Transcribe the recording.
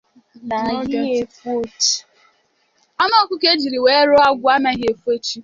anụ ọkụkọ e jiri wee rụọ agwụ anaghị efo chi